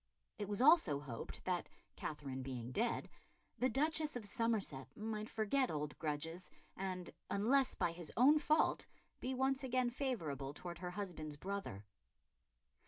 It was also hoped that, Katherine being dead, the Duchess of Somerset might forget old grudges and, unless by his own fault, be once again favourable towards her husband's brother.